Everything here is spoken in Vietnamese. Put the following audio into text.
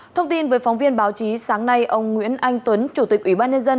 thông tin với phóng viên báo chí sáng nay ông nguyễn anh tuấn chủ tịch ủy ban nhân dân